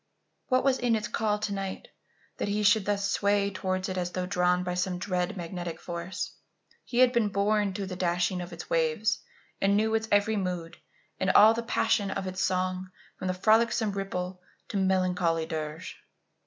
What was in its call to night that he should thus sway towards it as though drawn by some dread magnetic force? He had been born to the dashing of its waves and knew its every mood and all the passion of its song from frolicsome ripple to melancholy dirge.